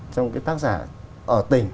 trong tác giả ở tỉnh